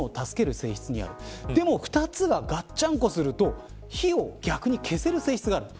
でも２つが、ガッチャンコすると火を、逆に消せる性質がある。